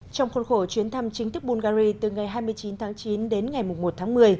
trong khuôn khổ chuyến thăm chính thức bungary từ ngày hai mươi chín tháng chín đến ngày một tháng một mươi